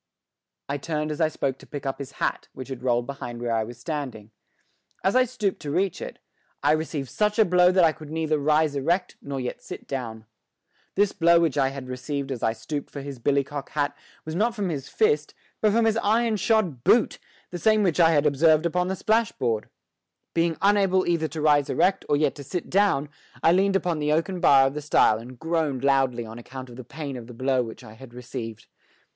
I turned as I spoke to pick up his hat, which had rolled behind where I was standing. As I stooped to reach it, I received such a blow that I could neither rise erect nor yet sit down. This blow which I received as I stooped for his billy cock hat was not from his fist, but from his iron shod boot, the same which I had observed upon the splashboard. Being unable either to rise erect or yet to sit down, I leaned upon the oaken bar of the stile and groaned loudly on account of the pain of the blow which I had received.